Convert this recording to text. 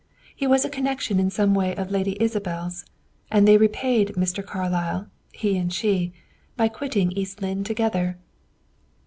He was a connection in some way of Lady Isabel's, and they repaid Mr. Carlyle, he and she, by quitting East Lynne together."